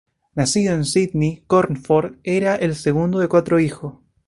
Nacido en Sídney, Cornforth era el segundo de cuatro hijos.